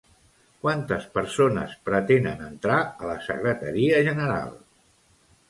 Quantes persones pretenen entrar a la Secretaria General?